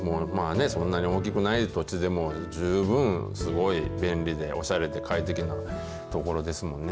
そんなに大きくない土地でも、十分すごい、便利でおしゃれで快適なところですもんね。